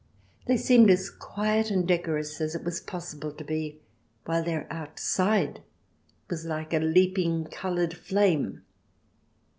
They seemed as quiet and decorous as it was possible to be, while their outside was like a leaping coloured flame.